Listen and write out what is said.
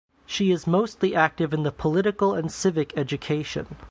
She is mostly active in the political and civic education.